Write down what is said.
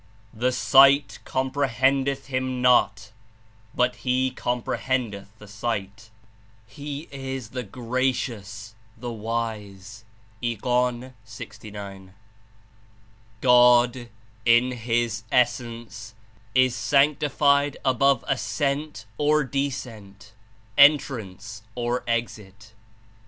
'The sight comprehendeth Him not, but He comprehendeth the sight; He Is the Gracious, the Wise'." (Ig. 6g.) "God, in His Essence, Is sanctified above ascent or descent, entrance or exit.